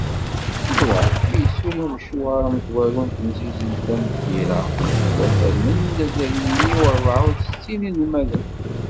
Tura, mi yessuli umecwar amezwaru n temsizzelt-a n tira, ttwafernen-d azal n mya u rebεa u settinn yinelmaden.